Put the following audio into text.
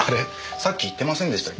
さっき言ってませんでしたっけ？